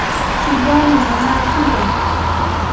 Shilluumi nanaakullan.